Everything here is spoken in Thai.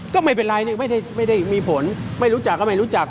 ก็ไม่เป็นไรไม่ได้มีผลไม่รู้จักก็ไม่รู้จัก